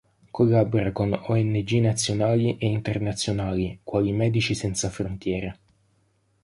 Collabora con ong nazionali e internazionali, quali Medici senza frontiere.